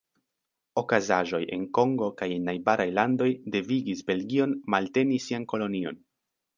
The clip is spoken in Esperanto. Okazaĵoj en Kongo kaj en najbaraj landoj devigis Belgion malteni sian kolonion.